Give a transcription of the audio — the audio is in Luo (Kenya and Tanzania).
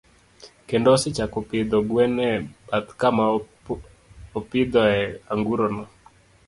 Kendo osechako pidho gwen e bath kama opidhoe anguro no.